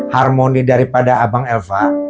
harmoni daripada abang elva